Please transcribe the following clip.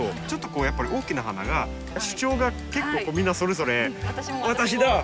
ちょっとこうやっぱり大きな花が主張が結構みんなそれぞれ「私だ」